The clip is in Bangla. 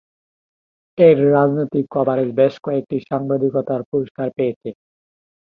এর রাজনৈতিক কভারেজ বেশ কয়েকটি সাংবাদিকতার পুরস্কার পেয়েছে।